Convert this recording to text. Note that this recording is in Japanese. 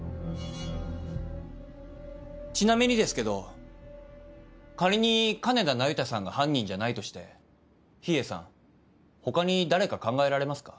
ちなみにですけど仮に金田那由他さんが犯人じゃないとして秘影さん他に誰か考えられますか？